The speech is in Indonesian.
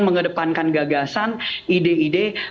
mengedepankan gagasan ide ide